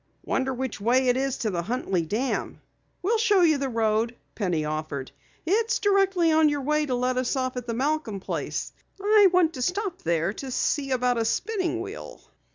"Wonder which way it is to the Huntley Dam?" "We'll show you the road," Penny offered. "It's directly on your way to let us off at the Malcom place. I want to stop there to see about a spinning wheel."